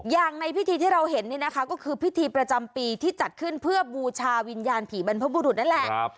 อย่างในพิธีที่เราเห็นนี่นะคะก็คือพิธีประจำปีที่จัดขึ้นเพื่อบูชาวิญญาณผีบรรพบุรุษนั่นแหละ